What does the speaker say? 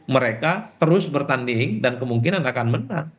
mereka terus bertanding dan kemungkinan akan menang